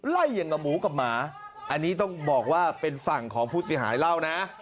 อย่างกับหมูกับหมาอันนี้ต้องบอกว่าเป็นฝั่งของผู้เสียหายเล่านะ